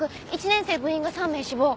１年生部員が３名死亡」